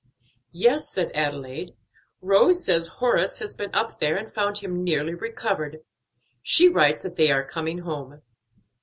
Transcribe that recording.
"Yes," said Adelaide. "Rose says Horace has been up there and found him nearly recovered. She writes that they are coming home."